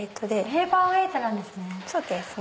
ペーパーウエートなんですね。